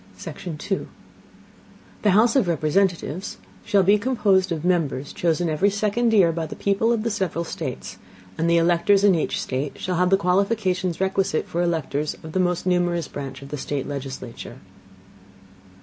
Section 2. The House of Representatives shall be composed of Members chosen every second Year by the People of the several States, and the electors in each State shall have the qualifications requisite for electors of the most numerous branch of the State legislature.